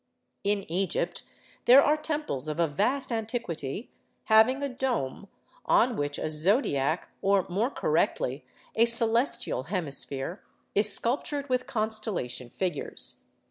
In Egypt there are temples of a vast antiquity, having a dome, on which a zodiac—or, more correctly, a celestial hemisphere—is sculptured with constellation figures.